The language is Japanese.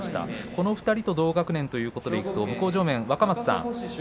この２人も同学年ということでいうと向正面の若松さん